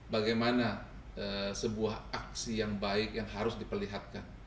bagaimana sebuah aksi yang baik yang harus diperlihatkan